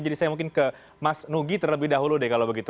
jadi saya mungkin ke mas nugi terlebih dahulu deh kalau begitu